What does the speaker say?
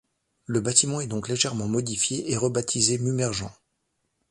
Le bâtiment est donc légèrement modifié et est rebaptisé Mummerjan.